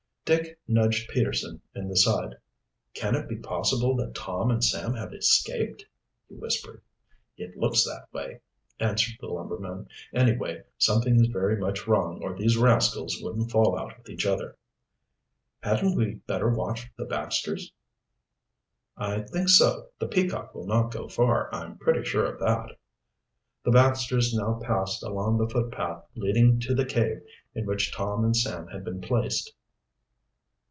Dick nudged Peterson in the side. "Can it be possible that Tom and Sam have escaped?" he whispered. "It looks that way," answered the lumberman. "Anyway, something is very much wrong or these rascals wouldn't fall out with each other." "Hadn't we better watch the Baxters?" "I think so. The Peacock will not go far, I'm pretty sure of that." The Baxters now passed along the footpath leading to the cave in which Tom and Sam had been placed.